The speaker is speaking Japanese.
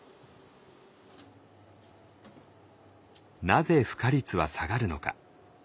なぜ孵化率は下がるのか。